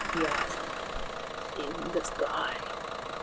" he asked. In the sky.''